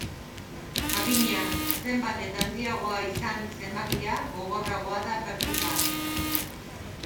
Jakina, zenbat eta handiagoa izan zenbakia, gogorragoa da pertika.